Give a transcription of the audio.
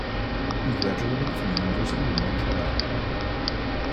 He graduated from the University of Montreal.